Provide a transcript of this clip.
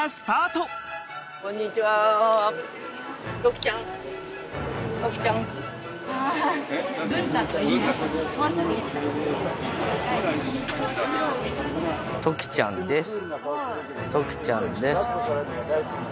トキちゃんです。